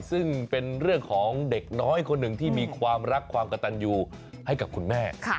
ซึ่งเป็นเรื่องของเด็กน้อยคนหนึ่งที่มีความรักความกระตันอยู่ให้กับคุณแม่